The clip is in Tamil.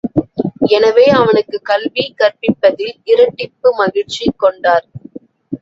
எனவே அவனுக்குக் கல்வி கற்பிப்பதில் இரட்டிப்பு மகிழ்ச்சி கொண்டார்.